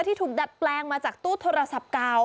ที่ถูกดัดแปลงมาจากตู้โทรศัพท์เก่า